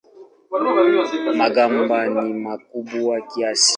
Magamba ni makubwa kiasi.